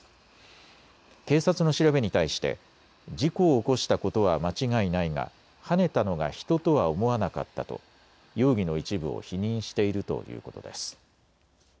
警察の調べに対して事故を起こしたことは間違いないがはねたのが人とは思わなかったと容疑の一部を否認しているということです。